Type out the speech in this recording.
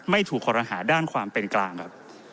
ไม่ถูกคอรหาด้านความเป็นกลางครับ